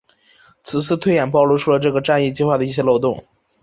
此次推演暴露出了这个战役计划的一些漏洞。